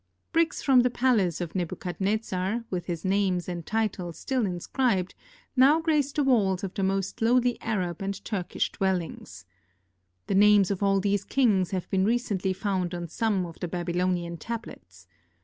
Bricks from the palace of Nebuchadnezzar, with his name and title still inscribed, now grace the walls of tiie most lowly Arab and Turkish dwellings. The names of all these kings have been recently found on some of the Babylonian tablets.